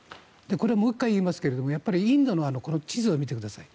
これ、もう１回言いますがインドの地図を見てください。